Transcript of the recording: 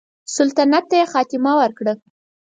سلطنت ته یې خاتمه ورکړه.